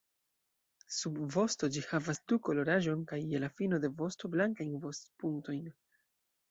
Sub vosto ĝi havas du-koloraĵon kaj je la fino de vosto blankajn vost-punktojn.